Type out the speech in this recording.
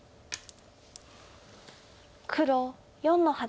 黒４の八。